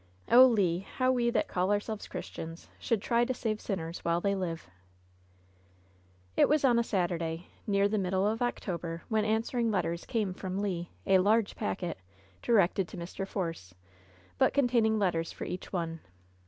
Oh, Le! how we that call ourselves Christians should try to save sinners while they live 1'* It was on a Saturday, near the middle of October, when answering letters came from Le — a large packet — directed to Mr. Force, but containing letters for each one.